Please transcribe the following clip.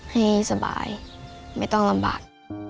ให้สบายไม่ต้องลำบาก